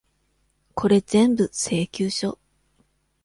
これぜんぶ、請求書。